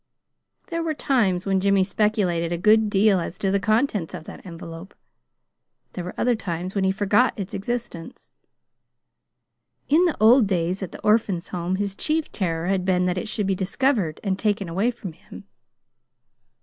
There were times when Jimmy speculated a good deal as to the contents of that envelope. There were other times when he forgot its existence. In the old days, at the Orphans' Home, his chief terror had been that it should be discovered and taken away from him.